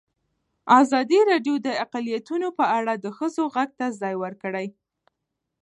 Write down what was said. ازادي راډیو د اقلیتونه په اړه د ښځو غږ ته ځای ورکړی.